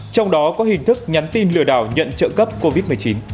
trong đó có hình thức nhắn tin lừa đảo nhận trợ cấp covid một mươi chín